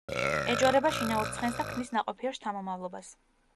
ეჯვარება შინაურ ცხენს და ქმნის ნაყოფიერ შთამომავლობას.